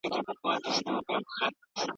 ټولني لویې کیږي او پوخوالي ته رسیږي.